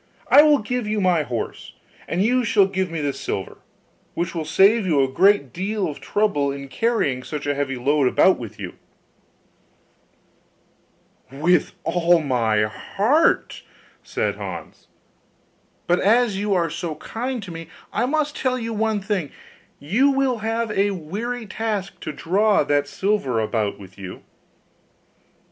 'I will give you my horse, and you shall give me the silver; which will save you a great deal of trouble in carrying such a heavy load about with you.' 'With all my heart,' said Hans: 'but as you are so kind to me, I must tell you one thing you will have a weary task to draw that silver about with you.